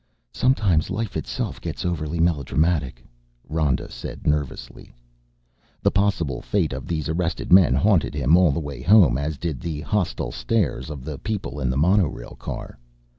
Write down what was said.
"Sometimes life itself gets overly melodramatic," Rhoda said nervously. The possible fate of these arrested men haunted him all the way home as did the hostile stares of the people in the monorail car.